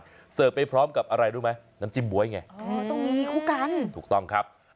นาธานเสิร์ฟไปพร้อมกับน้ำจิ้มบวยต้องมีคู่กัน